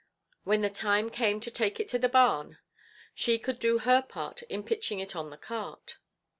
When the time came to take it to the barn, she could do her part in pitching it on the cart.